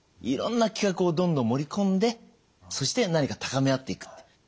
いろんな企画をどんどん盛り込んでそして何か高め合っていくと。